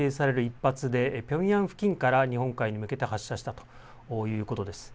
１発でピョンヤン付近から日本海に向けて発射したということです。